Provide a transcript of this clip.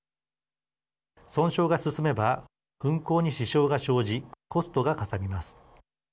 損傷が進めば運航に支障が生じコストがかさみます。